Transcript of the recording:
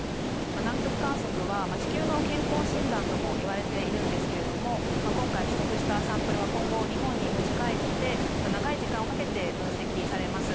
南極観測は、地球の健康診断ともいわれているんですけれども今回取得したサンプルを今後日本に持ち帰って長い時間をかけて分析されます。